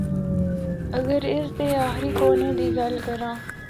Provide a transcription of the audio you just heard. اگر اس دے آخری کونے دی گل کراں۔